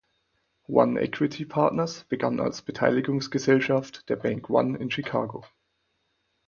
One Equity Partners begann als Beteiligungsgesellschaft der Bank One in Chicago.